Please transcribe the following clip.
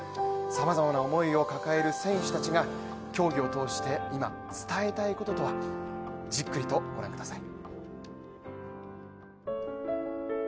さまざまな思いを抱える選手たちが競技を通して今、伝えたいこととはじっくりと御覧ください。